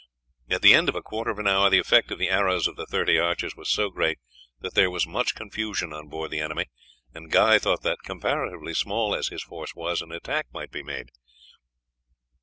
At the end of a quarter of an hour the effect of the arrows of the thirty archers was so great that there was much confusion on board the enemy, and Guy thought that, comparatively small as his force was, an attack might be made.